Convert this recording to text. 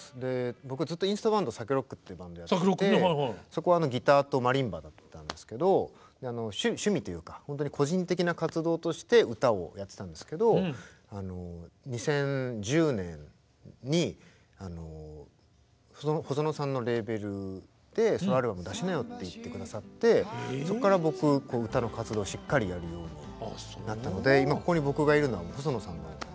僕ずっとインストバンドＳＡＫＥＲＯＣＫっていうバンドやっててそこはギターとマリンバだったんですけど趣味というか本当に個人的な活動として歌をやってたんですけど２０１０年に細野さんのレーベルでソロアルバム出しなよって言って下さってそっから僕歌の活動をしっかりやるようになったのでそうですか。